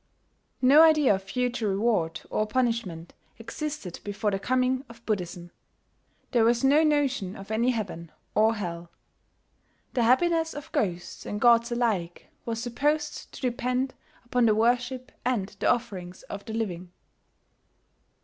No idea of future reward or punishment existed before the coming of Buddhism: there was no notion of any heaven or hell. The happiness of ghosts and gods alike was supposed to depend upon the worship and the offerings of the living.